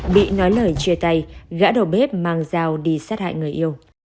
bị nói lời chia tay gã đầu bếp mang dao đi sát hại người yêu